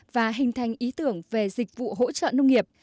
và hình thành ý tưởng về dịch vụ hỗ trợ nông nghiệp